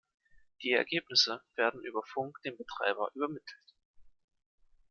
Die Ergebnisse werden über Funk dem Betreiber übermittelt.